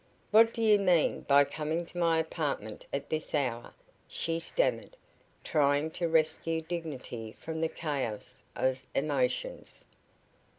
"What do you mean by coming to my apartment at this hour?" she stammered, trying to rescue dignity from the chaos of emotions.